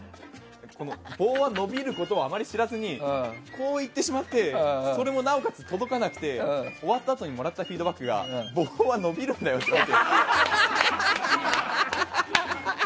棒が伸びることをあまり知らずにこういってしまってなおかつ、それも届かなくて終わったあとにもらったフィードバックが棒は伸びるんだよって言われて。